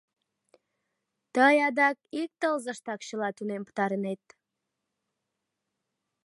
Тый адак ик тылзыштак чыла тунем пытарынет...